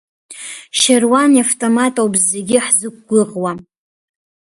Шьаруан иавтомат ауп зегьы ҳзықәгәыӷуа.